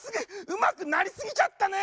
うまくなりすぎちゃったね！